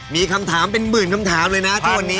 มีคำถามเป็นหมื่นคำถามเลยนะที่วันนี้